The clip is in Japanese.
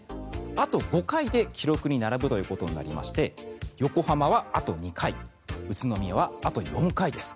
あと５回で記録に並ぶということになりまして横浜はあと２回宇都宮はあと４回です。